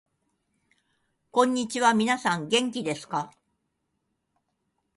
こんにちは、みなさん元気ですか？